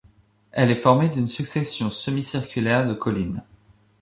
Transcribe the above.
Elle est formée d’une succession semi-circulaire de collines.